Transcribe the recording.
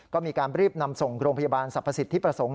ก็มีการรีบนำส่งโรงพยาบาลสรรพสิทธิประสงค์